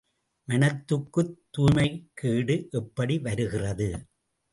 மனத்துக்குத் துய்மைக்கேடு எப்படி வருகிறது?